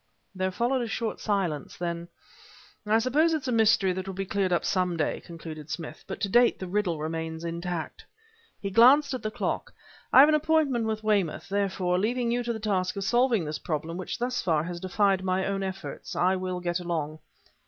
There followed a short silence. Then: "I suppose it's a mystery that will be cleared up some day," concluded Smith; "but to date the riddle remains intact." He glanced at the clock. "I have an appointment with Weymouth; therefore, leaving you to the task of solving this problem which thus far has defied my own efforts, I will get along."